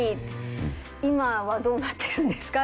今はどうなってるんですか？